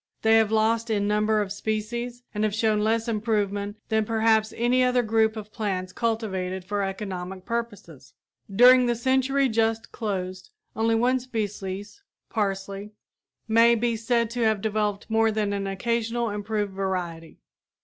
They have lost in number of species, and have shown less improvement than perhaps any other groups of plants cultivated for economic purposes. During the century just closed only one species, parsley, may be said to have developed more than an occasional improved variety.